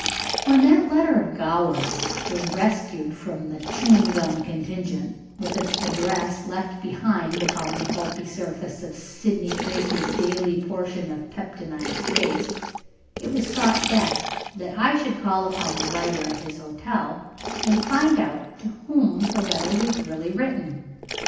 When that letter of Goward's was rescued from the chewing gum contingent, with its address left behind upon the pulpy surface of Sidney Tracy's daily portion of peptonized paste, it was thought best that I should call upon the writer at his hotel and find out to whom the letter was really written.